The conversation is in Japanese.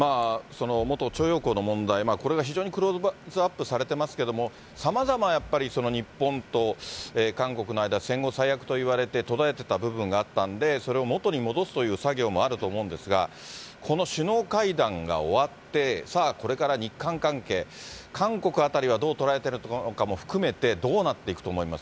元徴用工の問題、これが非常にクローズアップされてますけれども、さまざま、やっぱり日本と韓国の間、戦後最悪といわれて途絶えていた部分があったんで、それを元に戻すという作業もあると思うんですが、この首脳会談が終わって、さあ、これから日韓関係、韓国あたりはどう捉えているのかも含めて、どうなっていくと思います？